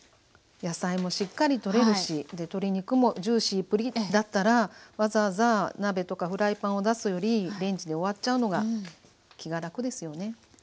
野菜もしっかりとれるし鶏肉もジューシープリッだったらわざわざ鍋とかフライパンを出すよりレンジで終わっちゃうのが気が楽ですよね？